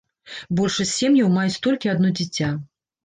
Большасць сем'яў маюць толькі адно дзіця.